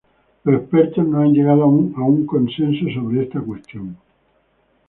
Los expertos no han llegado a un consenso sobre esta cuestión.